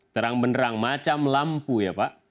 terang benerang macam lampu ya pak